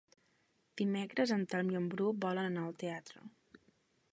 Dimecres en Telm i en Bru volen anar al teatre.